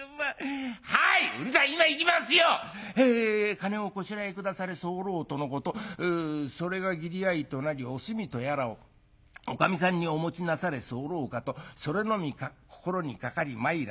『金をこしらえ下され候とのことそれが義理合いとなりおすみとやらをおかみさんにお持ちなされ候かとそれのみ心にかかり参らせ候。